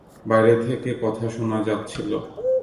বাইরে থেকে কথা শোনা যাচ্ছিল।